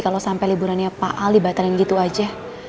kalau sampai liburannya pak ali baterin gitu aja